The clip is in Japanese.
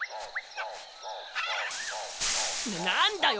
なんだよ